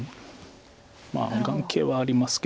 眼形はありますけど。